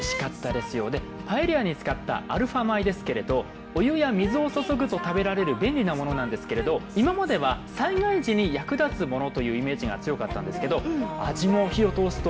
でパエリアに使ったアルファ米ですけれどお湯や水を注ぐと食べられる便利なものなんですけれど今までは災害時に役立つものというイメージが強かったんですけど味も火を通すとおいしかったんですよ。